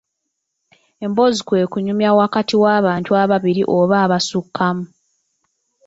Emboozi kwe kunyumya wakati w'abantu ababiri oba abasukkamu.